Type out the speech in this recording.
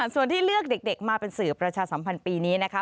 ส่วนที่เลือกเด็กมาเป็นสื่อประชาสัมพันธ์ปีนี้นะคะ